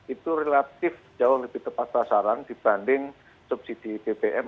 itu relatif jauh lebih tepat pasaran dibanding subsidi bbm